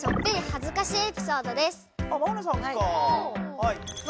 はい。